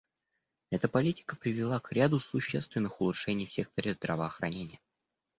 Эта политика привела к ряду существенных улучшений в секторе здравоохранения.